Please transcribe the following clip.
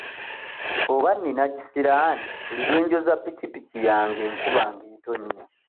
Oba nina kisiraani buli lwe njoza pikipiki yange enkuba ng'etonnya.